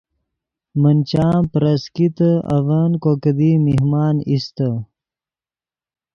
من چام پریس کیتے اڤن کو کیدی مہمان ایستے